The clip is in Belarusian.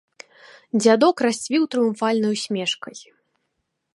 Дзядок расцвіў трыумфальнай усмешкай.